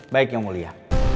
baik yang mulia